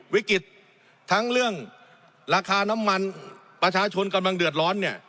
วิกฤตทั้งเรื่องราคาน้ำมันประชาชนกำลังเดือดร้อนเนี่ย